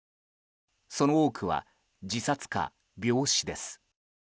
その多くは、自殺か病死です。